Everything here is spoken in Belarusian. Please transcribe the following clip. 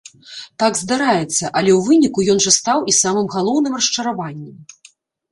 Так здараецца, але ў выніку ён жа стаў і самым галоўным расчараваннем.